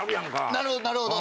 なるほどなるほど。